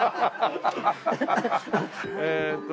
えっと